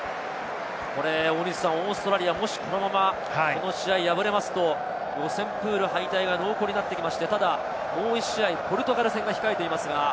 オーストラリア、もしこのまま、この試合に敗れますと、予選プール敗退が濃厚になって、ただもう１試合、ポルトガル戦が控えていますが。